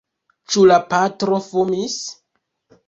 Ĉu la patro fumis?